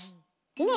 ねえ？